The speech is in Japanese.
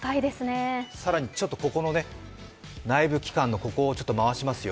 更にちょっと内部機関のここを回しますよ。